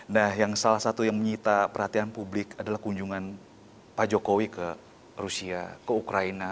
nah yang salah satu yang menyita perhatian publik adalah kunjungan pak jokowi ke rusia ke ukraina